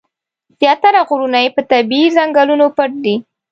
زیاتره غرونه یې په طبیعي ځنګلونو پټ دي.